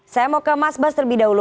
saya mau ke mas bas terlebih dahulu